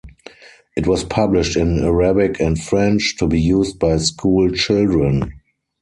It was published in Arabic and French, to be used by school children.